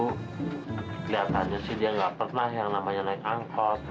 kelihatannya sih dia nggak pernah yang namanya naik angkot